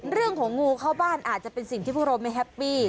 งูเข้าบ้านอาจจะเป็นสิ่งที่พวกเราไม่แฮปปี้